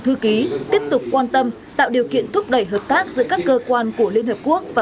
thư ký tiếp tục quan tâm tạo điều kiện thúc đẩy hợp tác giữa các cơ quan của liên hợp quốc và